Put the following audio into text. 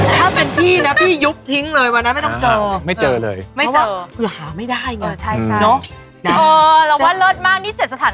ถ้าเป็นพี่นะพี่ยุบทิ้งเลยมานะไม่ต้องเจอ